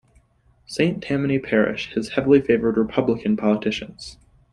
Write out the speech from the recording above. Saint Tammany Parish has heavily favored Republican politicians.